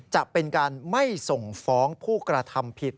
จะเป็นการไม่ส่งฟ้องผู้กระทำผิด